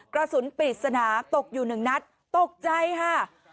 กระสุนปริศนาตกอยู่หนึ่งนัดตกใจค่ะ